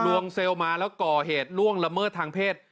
วงเซลล์มาแล้วก่อเหตุล่วงละเมิดทางเพศ